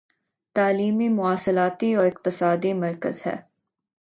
تعلیمی مواصلاتی و اقتصادی مرکز ہے